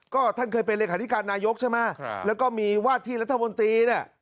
ก็ท่านเคยเป็นเลขาธิการนายกใช่ไหมแล้วก็มีวาดที่รัฐมนตรีเนี่ย